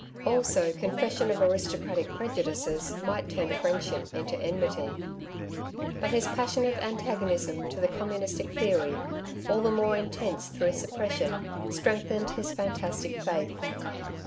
Also confession of aristocratic prejudices might turn friendship into enmity. But his passionate antagonism to the communistic theory, all the more intense through suppression, strengthened his fantastic faith.